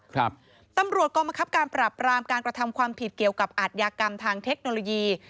ครับตำรวจกรมคับการปรับรามการกระทำความผิดเกี่ยวกับอาทยากรรมทางเทคโนโลยี